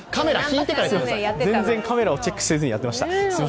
全然、カメラをチェックしないでやってました。